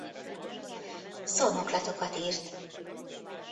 Szónoklatokat írt.